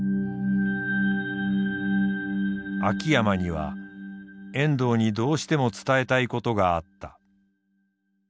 秋山には遠藤にどうしても伝えたいことがあった。